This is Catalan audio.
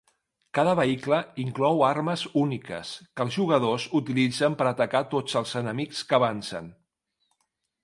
Cada vehicle inclou armes úniques, que els jugadors utilitzen per atacar tots els enemics que avancen.